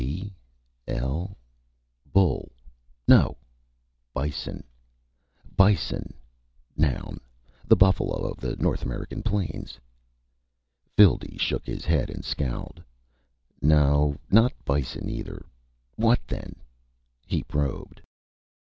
_ B? L? Bull? No bison. Bison: bison (bi'sn) n. The buffalo of the N. Amer. plains. Phildee shook his head and scowled. No not bison, either. What, then? He probed.